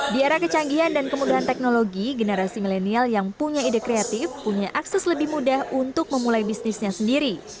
di era kecanggihan dan kemudahan teknologi generasi milenial yang punya ide kreatif punya akses lebih mudah untuk memulai bisnisnya sendiri